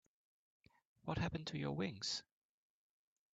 What happened to your wings?